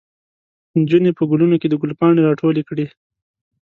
نجونې په ګلونو کې د ګل پاڼې راټولې کړې.